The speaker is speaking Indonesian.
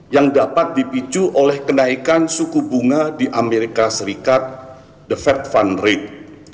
yang dapat dipicu oleh kenaikan suku bunga di amerika serikat the fed fund rate